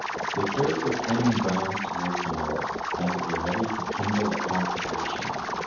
They carried their flaming brands towards the north, as it were ready to kindle a conflagration.